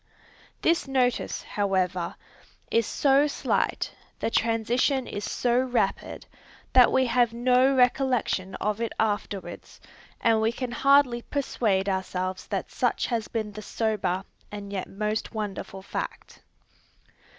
This notice, however, is so slight, the transition is so rapid, that we have no recollection of it afterwards, and we can hardly persuade ourselves that such has been the sober and yet most wonderful fact.